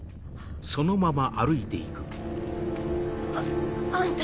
ああんた。